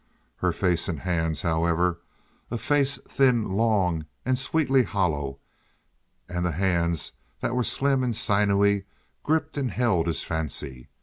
Her face and hands, however—a face thin, long, and sweetly hollow, and hands that were slim and sinewy—gripped and held his fancy.